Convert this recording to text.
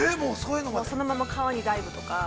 そのまま川にダイブとか。